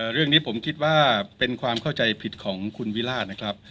เรื่องนี้ผมคิดว่าเป็นความเข้าใจผิดของคุณวิราชนะครับ